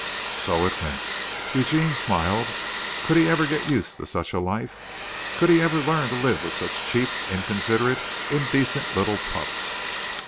So it went. Eugene smiled. Could he ever get used to such a life? Could he ever learn to live with such cheap, inconsiderate, indecent little pups?